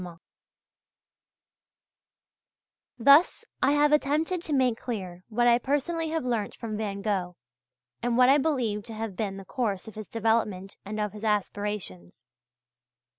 Thus I have attempted to make clear what I personally have learnt from Van Gogh, and what I believe to have been the course of his development and of his aspirations.